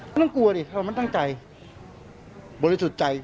ไม่ต้องกลัวสิหรือเป็นตั้งใจบริสุทธิ์ใจ